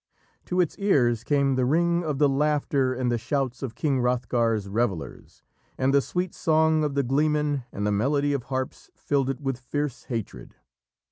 To its ears came the ring of the laughter and the shouts of King Hrothgar's revellers, and the sweet song of the gleemen and the melody of harps filled it with fierce hatred.